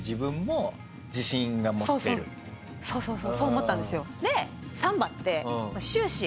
そうそうそうそうそう思ったんですよ。